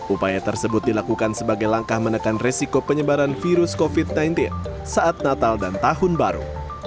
upaya tersebut dilakukan sebagai langkah menekan resiko penyebaran virus covid sembilan belas saat natal dan tahun baru